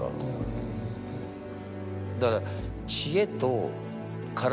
だから。